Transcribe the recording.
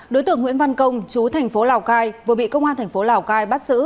đối tượng nguyễn văn công chú thành phố lào cai vừa bị công an thành phố lào cai bắt xử